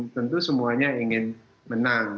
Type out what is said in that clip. tentu semuanya ingin menang